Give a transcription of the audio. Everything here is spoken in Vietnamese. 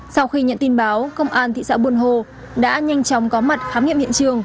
sau khi nhận tin báo công an thị xã buôn hồ đã nhanh chóng có mặt khám nghiệm hiện trường